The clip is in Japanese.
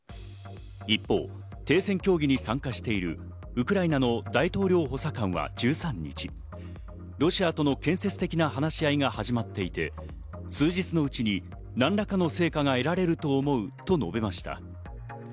一方、停戦協議に参加しているウクライナの大統領補佐官は１３日、ロシアとの建設的な話し合いが始まっていて、数日のうちに何らかの成果が得られると思うと述べました。